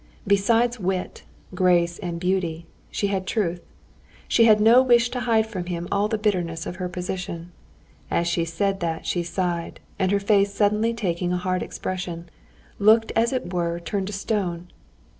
Besides wit, grace, and beauty, she had truth. She had no wish to hide from him all the bitterness of her position. As she said that she sighed, and her face suddenly taking a hard expression, looked as it were turned to stone.